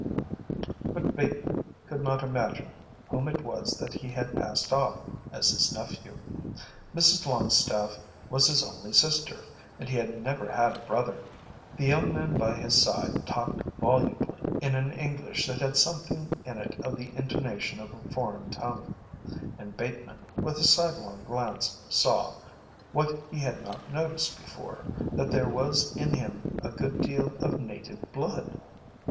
But Bateman could not imagine whom it was that he passed off as his nephew. Mrs Longstaffe was his only sister and he had never had a brother. The young man by his side talked volubly in an English that had something in it of the intonation of a foreign tongue, and Bateman, with a sidelong glance, saw, what he had not noticed before, that there was in him a good deal of native blood.